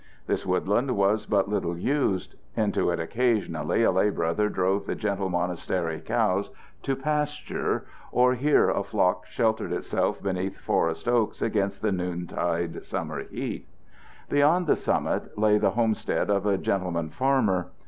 This woodland was but little used. Into it occasionally a lay brother drove the gentle monastery cows to pasture, or here a flock sheltered itself beneath forest oaks against the noontide summer heat. Beyond the summit lay the homestead of a gentleman farmer.